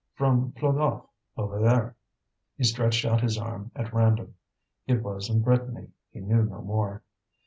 "From Plogof, over there." He stretched out his arm at random. It was in Brittany, he knew no more.